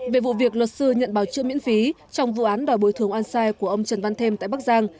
về vụ việc luật sư nhận bảo trợ miễn phí trong vụ án đòi bồi thương an sai của ông trần văn thêm tại bắc giang